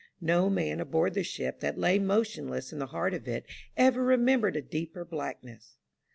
No man aboard the ship that lay motionless in the heart of it ever remembered a deeper blackness.